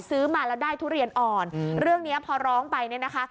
ซื้อมาแล้วได้ทุเรียนอ่อนเรื่องนี้พอร้องไปเนี่ยนะคะ